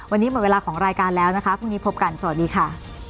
วันนี้หมดเวลาของรายการแล้วนะคะพรุ่งนี้พบกันสวัสดีค่ะ